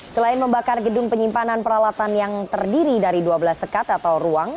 selain membakar gedung penyimpanan peralatan yang terdiri dari dua belas sekat atau ruang